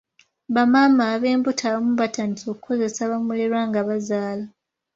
Bamaama ab'embuto abamu batandise kukozesa bamulerwa nga bazaala.